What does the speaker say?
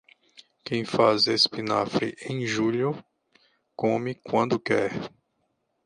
Quem faz espinafre em julho, come quando quer.